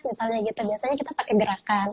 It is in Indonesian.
misalnya gitu biasanya kita pakai gerakan